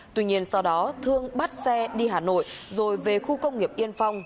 tuy nhiên sau đó thương bắt xe đi hà nội rồi về khu công nghiệp yên phong